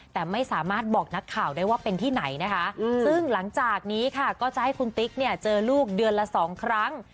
แต่ไม่สามารถบอกนักข่าวได้ว่าเป็นที่ไหนนะคะซึ่งหลังจากนี้ค่ะก็จะให้คุณติ๊กเนี่ยเจอลูกเดือนละสองครั้ง